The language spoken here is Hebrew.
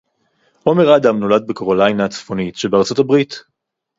עומר אדם נולד בקרוליינה הצפונית שבארצות הברית